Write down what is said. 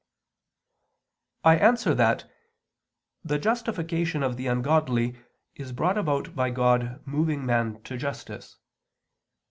I answer that, The justification of the ungodly is brought about by God moving man to justice.